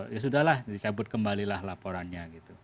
ya sudah lah dicabut kembalilah laporannya gitu